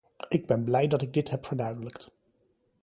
Ik ben blij dat ik dit heb verduidelijkt.